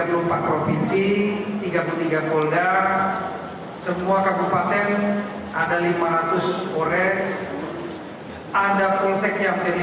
dan anggota apelisi bagi kantin polsek lima